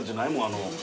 あの。